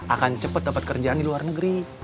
akan cepet dapet kerjaan di luar negeri